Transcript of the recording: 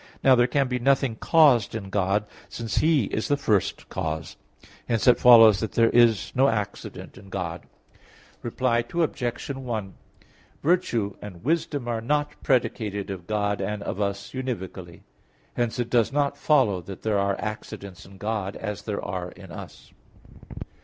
Now there can be nothing caused in God, since He is the first cause. Hence it follows that there is no accident in God. Reply Obj. 1: Virtue and wisdom are not predicated of God and of us univocally. Hence it does not follow that there are accidents in God as there are in us.